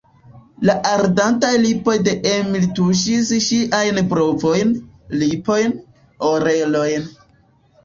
La ardantaj lipoj de Emil tuŝis ŝiajn brovojn, lipojn, orelojn.